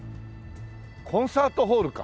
コンサートホールか。